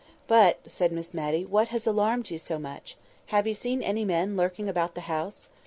"But," said Miss Matty, "what has alarmed you so much? Have you seen any men lurking about the house?"